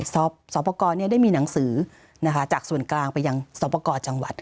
สอบประกอบได้มีหนังสือจากส่วนกลางไปยังสอบประกอบจังหวัด